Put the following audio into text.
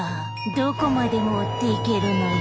どこまでも追っていけるのよ。